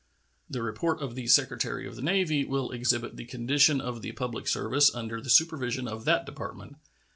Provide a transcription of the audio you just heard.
The report of the Secretary of the Navy will exhibit the condition of the public service under the supervision of that Department.